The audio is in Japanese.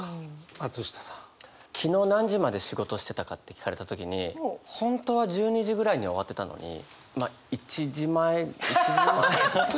昨日何時まで仕事してたかって聞かれた時に本当は１２時ぐらいには終わってたのにまあ１時前１時前。